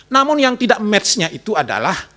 namun yang tidak match nya itu adalah